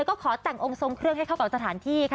เธอก็ขอแต่งอรงศงเครื่องให้เข้ากับจอถานที่